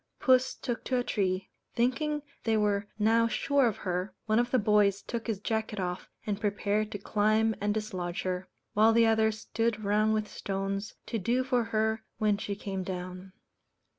Puss took to a tree. Thinking they were now sure of her, one of the boys took his jacket off, and prepared to climb and dislodge her; while the others stood round with stones, to do for her when she came down.